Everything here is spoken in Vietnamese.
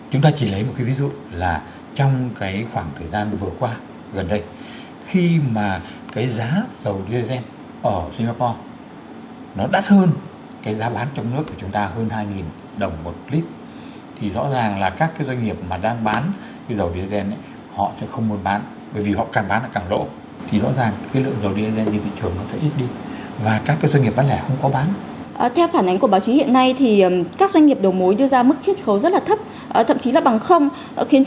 hãy đăng ký kênh để ủng hộ kênh của chúng mình nhé